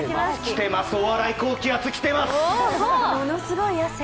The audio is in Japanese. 来てます、お笑い高気圧来てます！